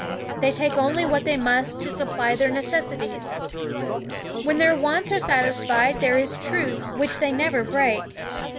They take only what they must to supply their necessities. When their wants are satisfied there is truce which they never break.